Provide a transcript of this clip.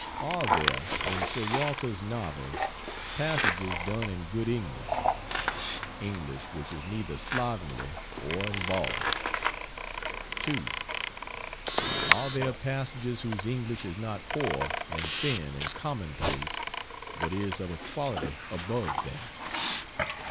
Are there in Sir Walter's novels passages done in good English English which is neither slovenly or involved? 2. Are there passages whose English is not poor and thin and commonplace, but is of a quality above that?